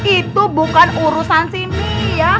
itu bukan urusan sini ya